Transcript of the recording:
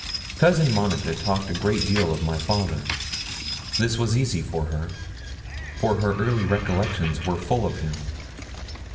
Cousin Monica talked a great deal of my father. This was easy to her, for her early recollections were full of him.